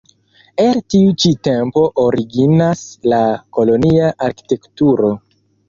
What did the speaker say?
El tiu ĉi tempo originas la kolonia arkitekturo.